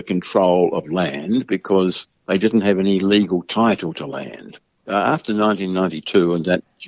karena jelas itu berkaitan dengan